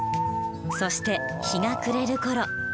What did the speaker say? そして日が暮れる頃。